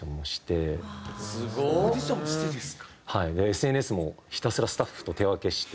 ＳＮＳもひたすらスタッフと手分けして。